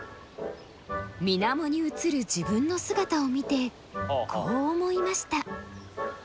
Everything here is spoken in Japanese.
みなもに映る自分の姿を見てこう思いました。